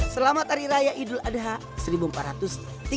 selamat hari raya idul adha seribu empat ratus tiga puluh